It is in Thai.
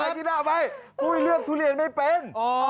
ที่หน้าไว้ปุ้ยเลือกทุเรียนไม่เป็น